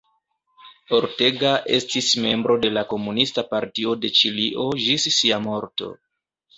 Ortega estis membro de la Komunista Partio de Ĉilio ĝis sia morto.